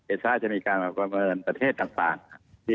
เอเซ่าจะมีการประเภทต่าง